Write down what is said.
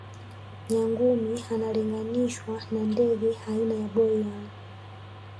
nyangumi analinganishwa na ndege aina ya boeing